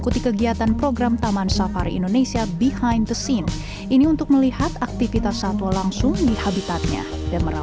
terlalu nafsu ini susunya